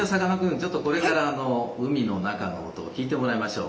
ちょっとこれから海の中の音を聞いてもらいましょう。